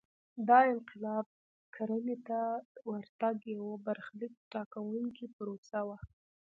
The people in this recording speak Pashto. دا انقلاب کرنې ته د ورتګ یوه برخلیک ټاکونکې پروسه وه